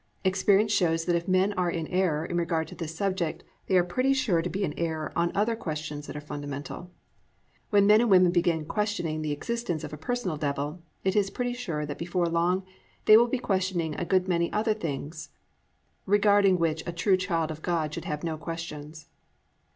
Experience shows that if men are in error in regard to this subject, they are pretty sure to be in error on other questions that are fundamental. When men and women begin to question the existence of a personal Devil it is pretty sure that before long they will be questioning a good many other things regarding which a true child of God should have no questions.